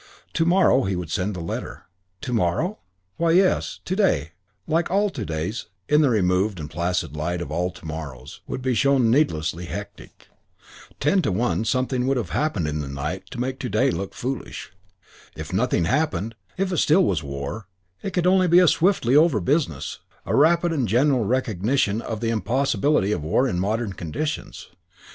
To morrow he would send the letter. To morrow? Why, yes, to day, like all to days in the removed and placid light of all to morrows, would be shown needlessly hectic. Ten to one something would have happened in the night to make to day look foolish. If nothing had happened, if it still was war, it could only be a swiftly over business, a rapid and general recognition of the impossibility of war in modern conditions.